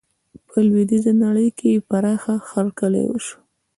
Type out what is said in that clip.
په لویدیزه نړۍ کې یې پراخه هرکلی وشو.